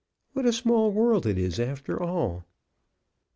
What a small world it is, after all!